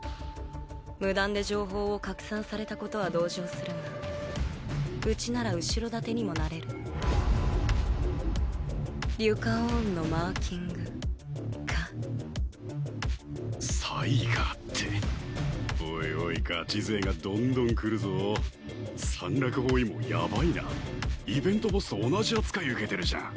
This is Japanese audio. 無断で情報を拡散されたことは同情するがウチなら後ろ盾にもなれるリュカオーンのマーサイガっておいおいガチ勢がどんどん来るぞサンラク包囲網やばいなイベントボスと同じ扱い受けてるじゃん